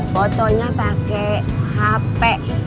fotonya pakai hp